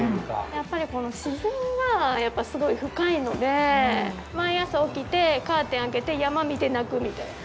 やっぱり自然がすごい深いので、毎朝起きて、カーテン開けて、山見て泣くみたいな。